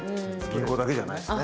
銀行だけじゃないんですね。